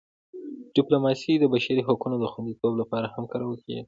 ډیپلوماسي د بشري حقونو د خوندیتوب لپاره هم کارول کېږي.